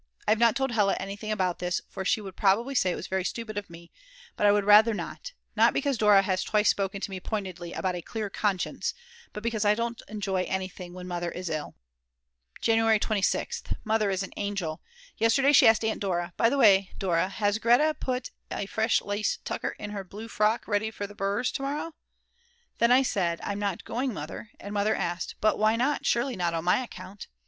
I have not told Hella anything about this for she would probably say it was very stupid of me, but I would rather not; not because Dora has twice spoken to me pointedly about a clear conscience, but because I don't enjoy anything when Mother is ill. January 26th. Mother is an angel. Yesterday she asked Aunt Dora: "By the way, Dora, has Grete put a fresh lace tucker in her blue frock, ready for the Brs. to morrow?" Then I said: "I'm not going Mother," and Mother asked: "But why not, surely not on my account?"